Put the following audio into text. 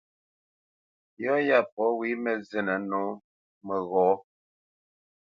Yɔ́ yá pɔ̂ wé mǝ́ zínǝ́ nǒ məghɔ̌.